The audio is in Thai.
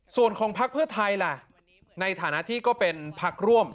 ส่วนของพักเพื่อไทยล่ะในฐานะที่ก็เป็นพักร่วม